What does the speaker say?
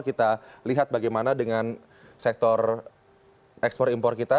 kita lihat bagaimana dengan sektor ekspor impor kita